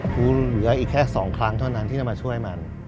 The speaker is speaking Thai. คุณเหลืออีกแค่๒ครั้งเท่านั้นที่จะมาช่วยมัน